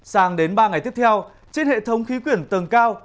sang đến ba ngày tiếp theo trên hệ thống khí quyển tầng cao